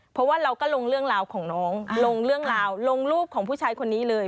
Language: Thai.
เพราะว่าเราก็ลงเรื่องราวของน้องลงเรื่องราวลงรูปของผู้ชายคนนี้เลย